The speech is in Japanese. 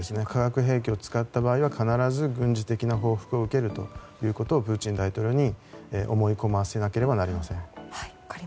化学兵器を使った場合は必ず軍事的な報復を受けるということをプーチン大統領に思い込ませなければなりません。